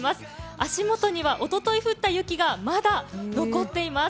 足元にはおととい降った雪がまだ残っています。